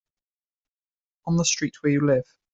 On the street where you live.